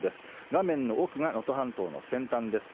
画面の奥が能登半島の先端です。